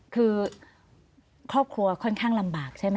คือครอบครัวค่อนข้างลำบากใช่ไหม